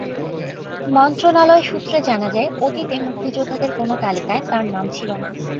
মন্ত্রণালয় সূত্রে জানা যায়, অতীতে মুক্তিযোদ্ধাদের কোনো তালিকায় তাঁর নাম ছিল না।